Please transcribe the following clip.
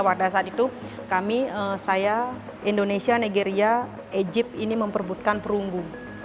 pada saat itu kami saya indonesia nigeria ejib ini memperbutkan perunggu